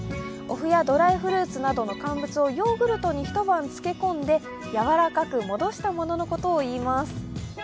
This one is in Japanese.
おふやドライフルーツなどの乾物をヨーグルトに一晩漬け込んでやわらかく戻したもののことをいいます。